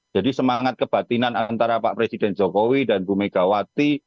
jadi semangat kebatinan antara pak presiden jokowi dan bu megawati